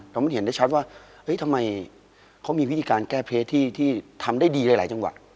เห็นได้ชัดว่าทำไมเขามีวิธีการแก้เพจที่ทำได้ดีหลายจังหวัด